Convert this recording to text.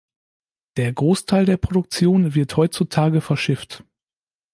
Der Großteil der Produktion wird heutzutage verschifft.